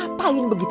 apa yang begitu